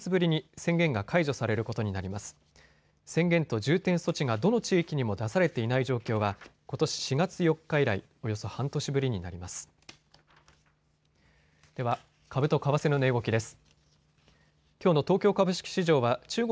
宣言と重点措置がどの地域にも出されていない状況はことし４月４日以来、およそ半年ぶりになります。